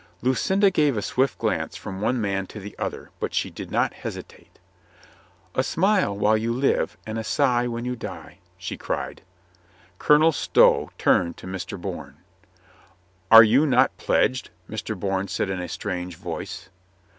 Lucinda gave a swift glance from one man to the other, but she did not hesitate. "A smile while you live and a sigh when you die," she cried. Colonel Stow turned to Mr. Bourne. "Are you not pledged?" Mr. Bourne said in a strange voice.